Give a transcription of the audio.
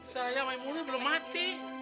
saya maimunah belum mati